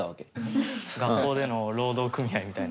学校での労働組合みたいな？